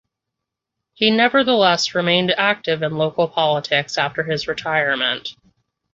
He nevertheless remained active in local politics after his retirement.